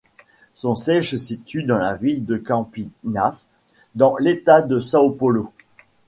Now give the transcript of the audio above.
Son siège se situe dans la ville de Campinas, dans l'État de São Paulo.